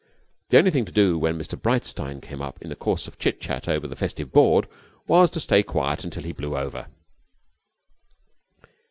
The only thing to do when Mr Breitstein came up in the course of chitchat over the festive board was to stay quiet until he blew over.